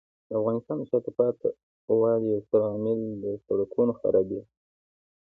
د افغانستان د شاته پاتې والي یو ستر عامل د سړکونو خرابي دی.